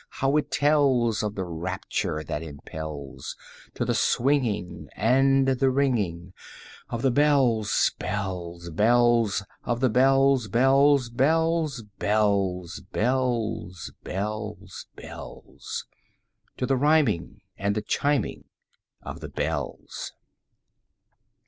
how it tells Of the rapture that impels 30 To the swinging and the ringing Of the bells, bells, bells, Of the bells, bells, bells, bells, Bells, bells, bells To the rhyming and the chiming of the bells!